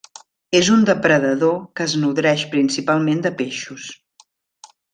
És un depredador que es nodreix principalment de peixos.